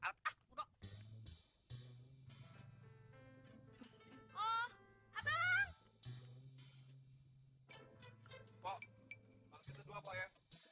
kok panggil kedua pok ya